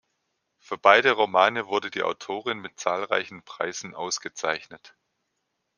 Für beide Romane wurde die Autorin mit zahlreichen Preisen ausgezeichnet.